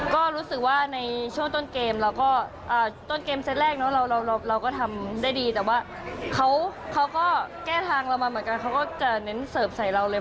เขาก็เน้นเสิร์ฟใส่เราเลย